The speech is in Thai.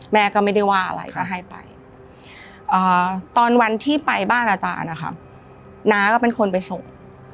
แม่ก็ไม่ได้ว่าอะไรก็ให้ไปตอนวันที่ไปบ้านอาจารย์นะคะน้าก็เป็นคนไปส่ง